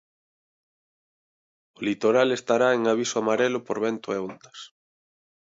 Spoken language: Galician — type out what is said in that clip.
O litoral estará en aviso amarelo por vento e ondas.